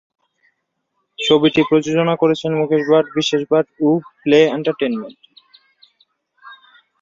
ছবিটি প্রযোজনা করেছেন মুকেশ ভাট, বিশেষ ভাট ও প্লে এন্টারটেইনমেন্ট।